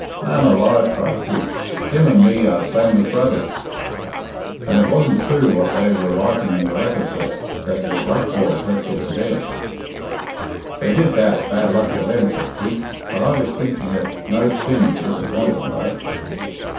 "Man alive!" cried Pete; "him and me are same as brothers." "Then it wasn't true what they were writing in the letter, sir that your black boys left you for dead?" "They did that, bad luck to them," said Pete; "but I was thinking it no sin to disappoint them, though."